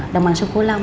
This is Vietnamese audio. đồng bằng sông cổ long